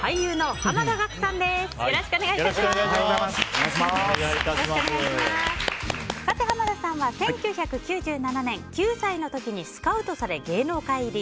濱田さんは１９９７年９歳の時にスカウトされ芸能界入り。